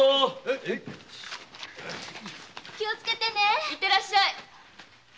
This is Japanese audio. いってらっしゃい。